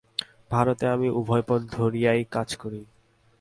ভারতে আমি উভয় পথ ধরিয়াই কাজ করি।